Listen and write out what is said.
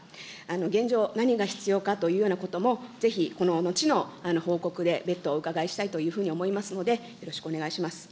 現状、何が必要がということもぜひこの後の報告で別途お伺いしたいというふうに思いますので、よろしくお願いいたします。